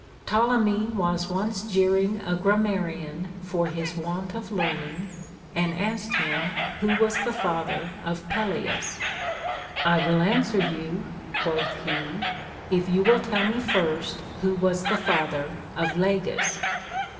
Ptolemy was once jeering a grammarian for his Avant of learning, and asked him who was the father of Peleus : I will answer you (quoth he) if you will tell me first who Avas the father of Lagus.